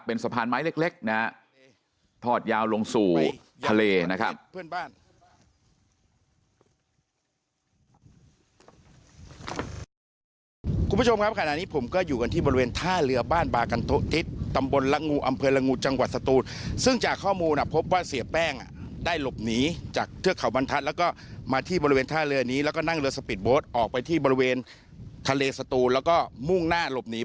เป็นสะพานไม้เล็กนะฮะถอดยาวลงสู่ทะเลนะครับ